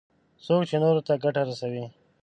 څوک چې نورو ته ګټه رسوي.